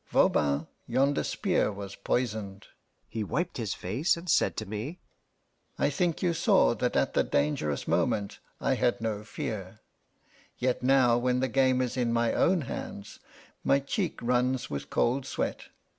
Voban, yonder spear was poisoned!" He wiped his face, and said to me, "I think you saw that at the dangerous moment I had no fear; yet now when the game is in my own hands, my cheek runs with cold sweat.